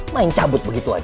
main cabut begitu aja